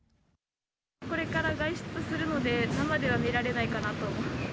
これから外出するので、生では見られないかなと。